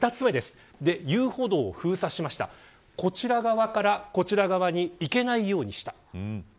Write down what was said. こちら側からこちら側に行けないようにした。